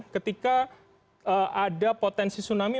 ketika ada potensi tsunami